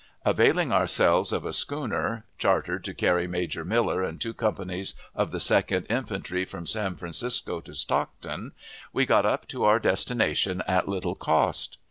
Availing ourselves of a schooner, chartered to carry Major Miller and two companies of the Second Infantry from San Francisco to Stockton, we got up to our destination at little cost.